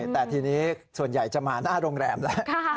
แต่ทีนี้ส่วนใหญ่จะมาหน้าโรงแรมแล้ว